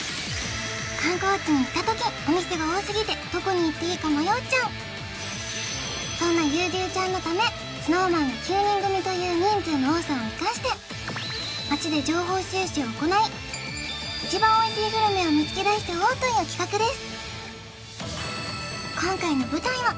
観光地に行った時お店が多すぎてどこに行っていいか迷っちゃうそんな優柔ちゃんのためＳｎｏｗＭａｎが９人組という人数の多さを生かして街で情報収集を行い一番おいしいグルメを見つけ出しちゃおうという企画です